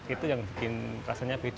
itu yang bikin rasanya beda